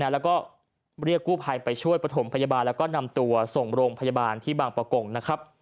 แล้วเรียกกู้ไพรไปช่วยปฐมพยาบาลและก็นำตัวส่งรงพยาบาลที่บางปกก